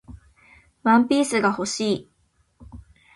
ワンピースが欲しい